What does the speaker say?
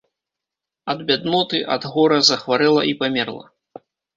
Ад бядноты, ад гора захварэла і памерла.